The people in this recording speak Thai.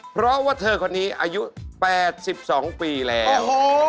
เพราะว่าเธอคนนี้อายุ๘๒ปีแล้ว